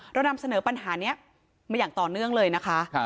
เรานำเสนอปัญหานี้มาอย่างต่อเนื่องเลยนะคะ